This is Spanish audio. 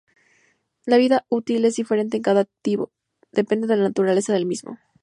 La vida útil es diferente en cada activo, depende de la naturaleza del mismo.